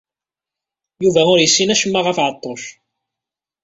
Yuba ur yessin acemma ɣef Ɛeṭṭuc.